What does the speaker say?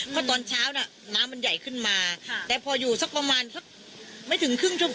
เพราะตอนเช้าน่ะน้ำมันใหญ่ขึ้นมาแต่พออยู่สักประมาณสักไม่ถึงครึ่งชั่วโมง